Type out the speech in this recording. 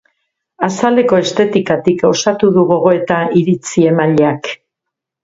Azaleko estetikatik osatu du gogoeta iritzi-emaileak.